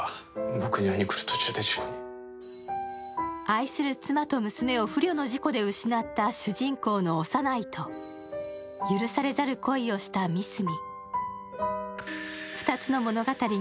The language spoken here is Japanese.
愛する妻と娘を不慮の事故で失った主人公の小山内と許されざる恋をした三角。